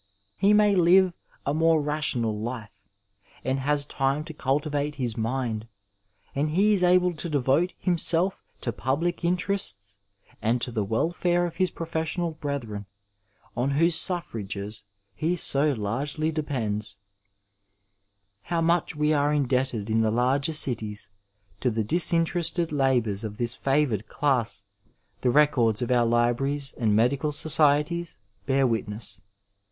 He may Uve a more rational life, and has time to cultivate his mind, and he is able to devote himself to public interests and to the welfare of his pro fessional brethren, on whose suffrages he so largely depends. 438 Digitized by Google THE STUDENT LIFE How macli we ure indebted in the larger cities to the disinterested labonrs of this favoored class the records of our libraries and medical societies bear witness.